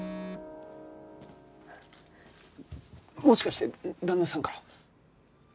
もしかして旦那さんから？